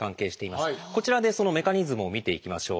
こちらでそのメカニズムを見ていきましょう。